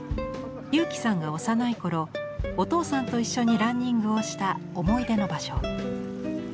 佑基さんが幼い頃お父さんと一緒にランニングをした思い出の場所。